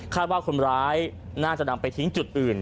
ว่าคนร้ายน่าจะนำไปทิ้งจุดอื่น